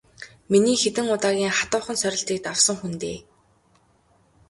Миний хэдэн удаагийн хатуухан сорилтыг давсан хүн дээ.